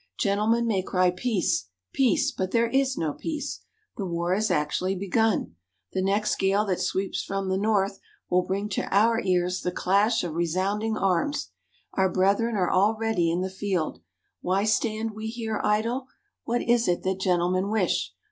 Gentlemen may cry Peace, peace! but there is no peace. The war is actually begun. The next gale that sweeps from the North, will bring to our ears the clash of resounding arms. Our brethren are already in the field! Why stand we here idle? What is it that gentlemen wish?